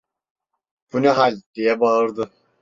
"Bu ne hal?" diye bağırdı.